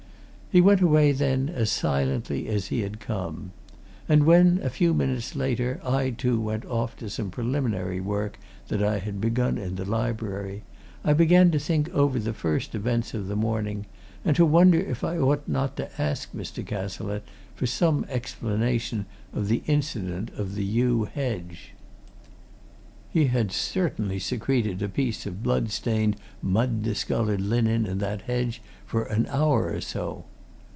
He went away then, as silently as he had come. And when, a few minutes later, I, too, went off to some preliminary work that I had begun in the library, I began to think over the first events of the morning, and to wonder if I ought not to ask Mr. Cazalette for some explanation of the incident of the yew hedge. He had certainly secreted a piece of blood stained, mud discoloured linen in that hedge for an hour or so.